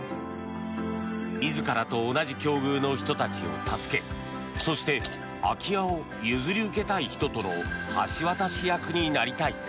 自らと同じ境遇の人たちを助けそして空き家を譲り受けたい人との橋渡し役になりたい。